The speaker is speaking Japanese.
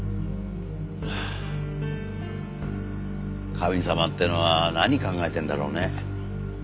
神様ってのは何考えてるんだろうね。